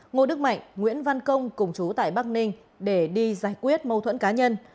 ngô đức mạnh nguyễn văn công cùng chú tại bắc ninh để đi giải quyết mâu thuẫn cá nhân